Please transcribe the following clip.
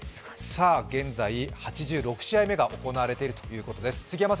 現在８６試合目が行われているということです。